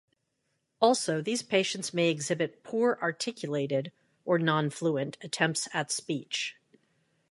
Also, these patients may exhibit poor articulated, or non fluent, attempts at speech.